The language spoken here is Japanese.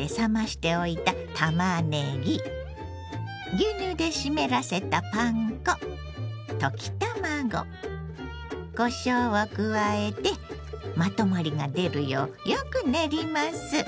牛乳で湿らせたパン粉溶き卵こしょうを加えてまとまりが出るようよく練ります。